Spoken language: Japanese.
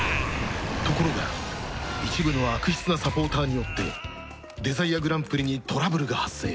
ところが一部の悪質なサポーターによってデザイアグランプリにトラブルが発生